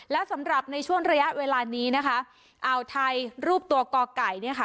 และสำหรับในช่วงระยะเวลานี้นะคะอ่าวไทยรูปตัวก่อไก่เนี่ยค่ะ